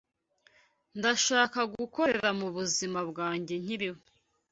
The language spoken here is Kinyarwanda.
Ndashaka kugukorera mubuzima bwanjye nyiriho